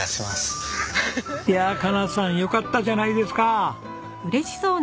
いや佳奈さんよかったじゃないですか。